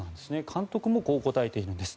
監督もこう答えているんです。